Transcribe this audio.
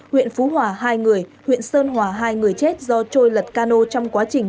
huyện phú hòa hai người huyện sơn hòa hai người chết do trôi lật cano trong quá trình